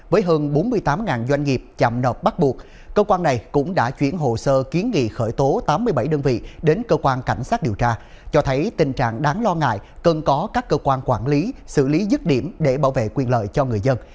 với hơn bốn mươi tám doanh nghiệp chậm nợ bắt buộc cơ quan này cũng đã chuyển hồ sơ kiến nghị khởi tố tám mươi bảy đơn vị đến cơ quan cảnh sát điều tra cho thấy tình trạng đáng lo ngại cần có các cơ quan quản lý xử lý dứt điểm để bảo vệ quyền lợi cho người dân